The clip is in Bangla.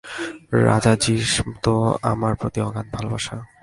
রাজাজীর তো আমার প্রতি অগাধ ভালবাসা।